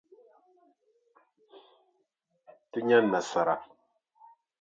Ti nya nasara.